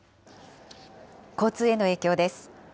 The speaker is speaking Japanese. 交通への影響です。